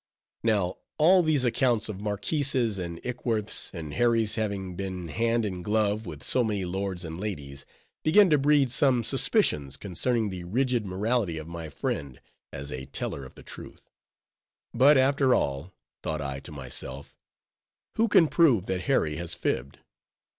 Now, all these accounts of marquises and Ickworths, and Harry's having been hand in glove with so many lords and ladies, began to breed some suspicions concerning the rigid morality of my friend, as a teller of the truth. But, after all, thought I to myself, who can prove that Harry has fibbed?